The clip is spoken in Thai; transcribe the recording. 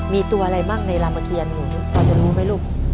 มีตัวอะไรบ้างในรามเกียรหนูพอจะรู้ไหมลูก